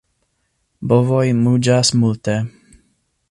Bovoj muĝas multe.